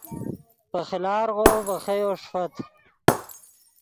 پہ خیلارغو ڤے خییو ݰیفت